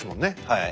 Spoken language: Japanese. はい。